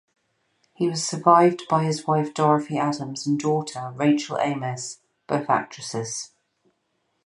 He was survived by his wife Dorothy Adams and daughter, Rachel Ames, both actresses.